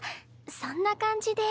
そんな感じで。